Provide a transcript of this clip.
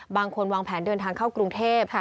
บางคนวางแผนเดินทางเข้ากรุงเทพ